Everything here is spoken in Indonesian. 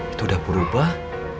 itu udah berubah